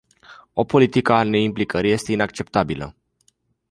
O politică a neimplicării este inacceptabilă.